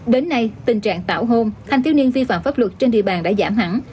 đến nay tình trạng tạo hôn hành thiếu niên vi phạm pháp luật trên địa bàn đã giảm hẳn